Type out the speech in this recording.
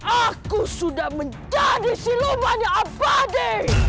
aku sudah menjadi si lumanya abadi